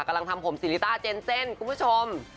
กำลังทำผมซีริต้าเจนเจนคุณผู้ชม